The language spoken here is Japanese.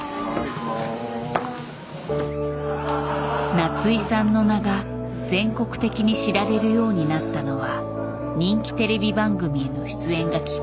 夏井さんの名が全国的に知られるようになったのは人気テレビ番組への出演がきっかけだ。